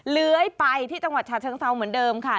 เลื้อยไปที่จังหวัดฉะเชิงเซาเหมือนเดิมค่ะ